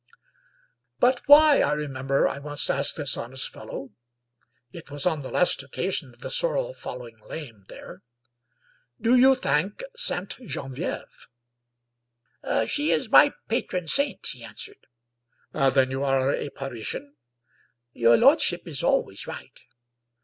" But why," I remember I once asked this honest fellow — it was on the last occasion of the sorrel falling lame there —" do you thank Ste. Genevieve?" " She is my patron saint," he answered. " Then you are a Parisian? "" Your lordship is always right."